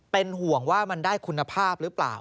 เป็นห่วงว่ามันได้คุณภาพหรือเปล่า